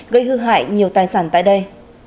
gây hư hại nhiều tài sản tại đây